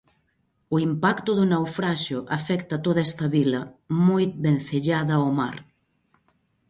O impacto do naufraxio afecta toda esta vila, moi vencellada ao mar.